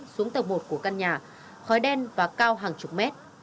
xuống tầng một của căn nhà khói đen và cao hàng chục mét